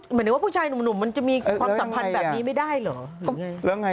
เหมือนเดี๋ยวว่าผู้ชายหนุ่มมันจะมีความสัมพันธ์แบบนี้ไม่ได้หรือไง